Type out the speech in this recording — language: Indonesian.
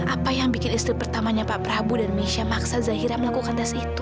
apa yang bikin istri pertamanya pak prabu dan misha maksa zahira melakukan tes itu